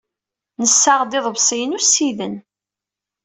Nessaɣ-d iḍebsiyen ussiden.